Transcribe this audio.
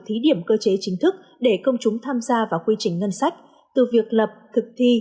thí điểm cơ chế chính thức để công chúng tham gia vào quy trình ngân sách từ việc lập thực thi